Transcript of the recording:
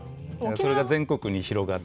それが全国に広がって。